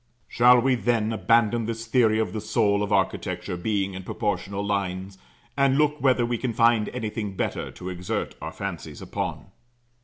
Shall we, then, abandon this theory of the soul of architecture being in proportional lines, and look whether we can find anything better to exert our fancies upon?